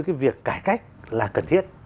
cái việc cải cách là cần thiết